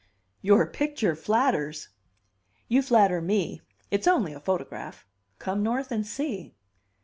'" "Your picture flatters!" "You flatter me; it's only a photograph. Come North and see."